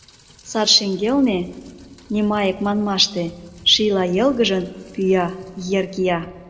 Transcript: Сад шеҥгелне, Немайык манмаште, шийла йылгыжын, пӱя-ер кия.